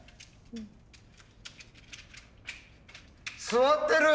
座ってる！